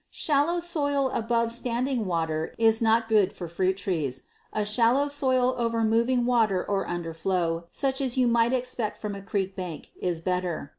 Shallow soil above standing water is not good for fruit trees. A shallow soil over moving water or underflow, such as you might expect from a creek bank, is better.